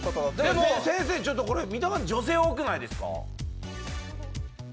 でも先生、見た感じこれ女性が多くないですか？